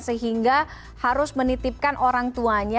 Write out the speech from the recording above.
sehingga harus menitipkan orang tuanya